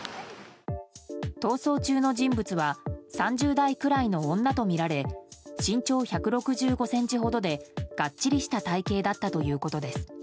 逃走中の人物は３０代くらいの女とみられ身長１６５ｃｍほどでがっちりした体形だったということです。